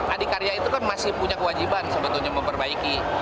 adik karya itu kan masih punya kewajiban sebetulnya memperbaiki